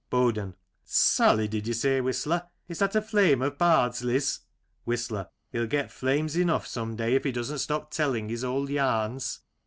BoDEN : Sally, did you say. Whistler. Is that a flame of Bardsley's ? Whistler : He'll get flames enough some day if he doesn't stop telling his old yarns.